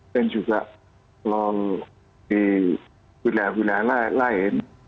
dan juga kalau di wilayah wilayah lain